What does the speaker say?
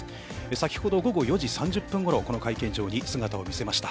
先ほど午後４時３０分ごろ、この会見場に姿を見せました